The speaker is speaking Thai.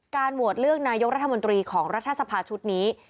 โหวตเลือกนายกรัฐมนตรีของรัฐสภาชุดนี้